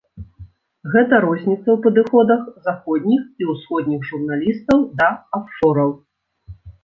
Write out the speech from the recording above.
Гэта розніца ў падыходах заходніх і ўсходніх журналістаў да афшораў.